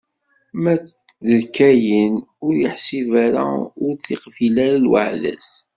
Ma d Kayin, ur t-iḥsib ara, ur d-iqbil ara lweɛda-s.